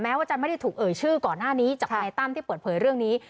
ว่าจะไม่ได้ถูกเอ่ยชื่อก่อนหน้านี้จากทนายตั้มที่เปิดเผยเรื่องนี้